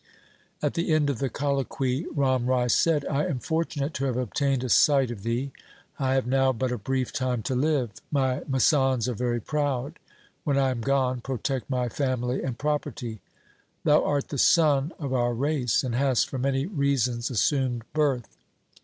At the end of the colloquy Ram Rai said, ' I am fortunate to have obtained a sight of thee; I have now but a brief time to live. My masands are very proud. When I am gone, protect my family and property. Thou art the sun of our race, and hast for many reasons assumed birth.